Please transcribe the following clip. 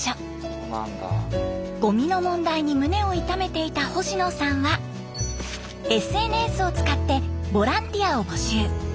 ゴミの問題に胸を痛めていた星野さんはＳＮＳを使ってボランティアを募集。